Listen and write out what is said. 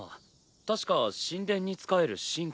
確か神殿に仕える神官。